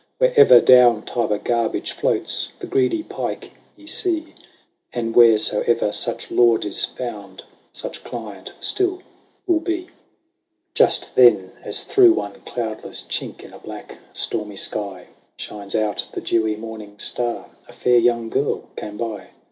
159 Where'er down Tiber garbage floats, the greedy pike ye see ; And wheresoe'er such lord is found, such client still will be. Just then, as through one cloudless chink in a black stormy sky Shines out the dewy morning star, a fair young girl came by.